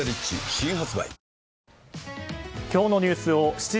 新発売